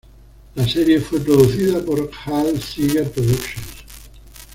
La serie fue producida por "Hal Seeger Productions".